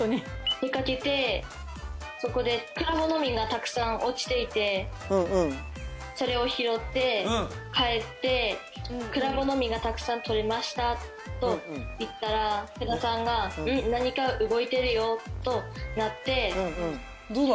出かけてそこでクラボの実がたくさん落ちていてそれを拾って帰ってクラボの実がたくさん取れましたと言ったらヒャダさんが何か動いてるよとなって。